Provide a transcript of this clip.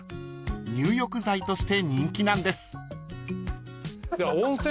［入浴剤として人気なんです］